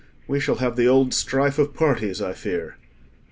"We shall have the old strife of parties, I fear."